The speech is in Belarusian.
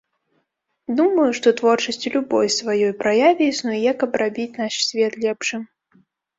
Думаю, што творчасць у любой сваёй праяве існуе, каб рабіць наш свет лепшым.